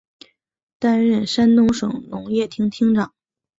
担任山东省农业厅厅长。